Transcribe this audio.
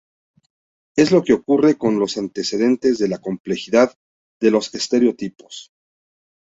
Es lo que ocurre con los antecedentes de la complejidad de los estereotipos.